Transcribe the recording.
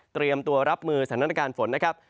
เตรียมตัวรับมือสถานการณ์ฝนนะครับ